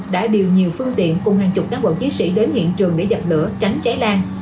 đã điều nhiều phương tiện cùng hàng chục các quận chí sĩ đến hiện trường để giặt lửa tránh cháy lan